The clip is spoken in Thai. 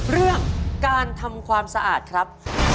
เรื่องการทำความสะอาดครับ